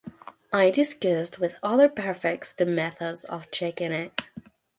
I discussed with other prefects the methods of checking it.